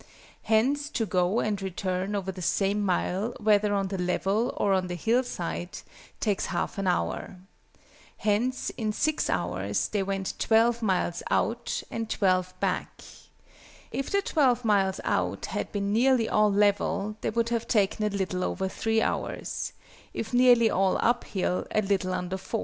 Hence to go and return over the same mile, whether on the level or on the hill side, takes 1/2 an hour. Hence in 6 hours they went 12 miles out and 12 back. If the 12 miles out had been nearly all level, they would have taken a little over 3 hours; if nearly all up hill, a little under 4.